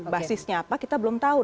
basisnya apa kita belum tahu